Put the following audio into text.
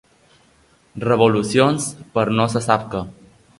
Revolucions per no se sap què.